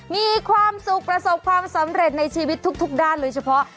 มีความสุขประสบความสำเร็จในชีวิตทุกด้านโดยเฉพาะ